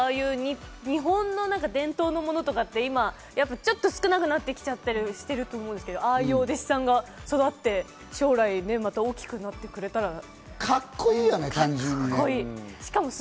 日本の伝統、物とかって少なくなってきちゃったりしてると思うけど、ああいうお弟子さんが育って将来また大きくなってくれカッコいいよね、単純に。